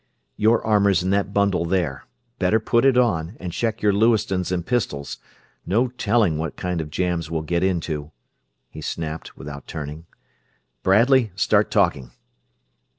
"Your armor's in that bundle there. Better put it on, and check your Lewistons and pistols no telling what kind of jams we'll get into," he snapped, without turning. "Bradley, start talking